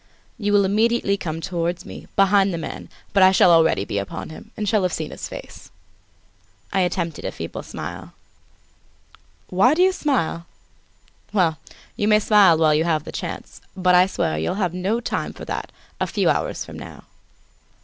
"You will immediately come towards me, behind the man; but I shall already be upon him, and shall have seen his face." I attempted a feeble smile. "Why do you smile? Well, you may smile while you have the chance, but I swear you'll have no time for that a few hours from now.